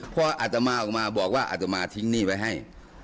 พออาตมาออกมาบอกว่าอัตมาทิ้งหนี้ไว้ให้